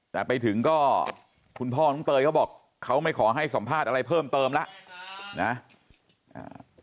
แต่ไปถึงก็คุณพ่อน้องเตยเขาบอกเขาไม่ขอให้สัมภาษณ์อะไรเพิ่มเติมแล้วนะ